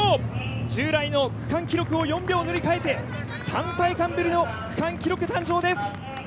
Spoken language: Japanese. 従来の区間記録を４秒塗り替えて３大会ぶりの区間記録誕生です。